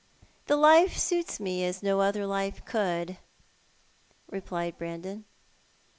" The life suits me as no other life could," replied Brandon.